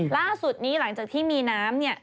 ล่าสุดนี้หลังจากที่มีน้ำเนี่ย